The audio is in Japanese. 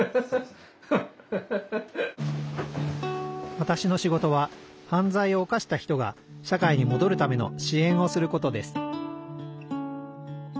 わたしの仕事は犯罪を犯した人が社会にもどるための支援をすることです